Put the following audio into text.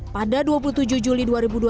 pada dua puluh tujuh juli dua ribu dua puluh